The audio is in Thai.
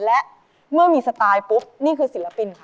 และเมื่อมีสไตล์ปุ๊บนี่คือศิลปิน